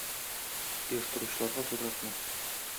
Оештыручыларга зур рәхмәт.